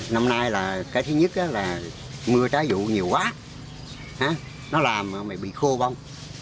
năm nay là cái thứ nhất là mưa trái dụ nhiều quá nó làm mà bị khô bông